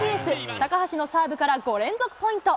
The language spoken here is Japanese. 高橋のサーブから５連続ポイント。